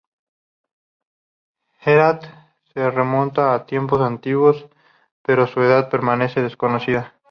Herāt se remonta a tiempos antiguos, pero su edad permanece desconocida.